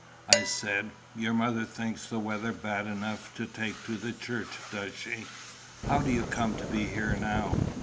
I said; "your mother thinks the weather bad enough to take to the church, does she? How do you come to be here now?